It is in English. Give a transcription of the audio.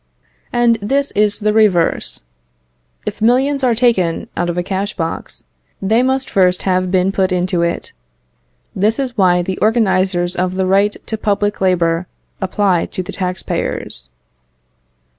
And this is the reverse. If millions are taken out of a cash box, they must first have been put into it. This is why the organisers of the right to public labour apply to the tax payers.